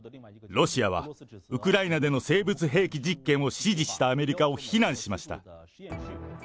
ロシアはウクライナでの生物兵器実験を支持したアメリカを非難しました。